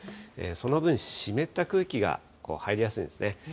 その分、湿った空気が入りやすいんですね。